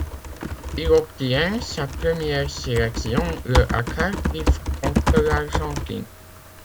Il obtient sa première sélection le à Cardiff contre l'Argentine.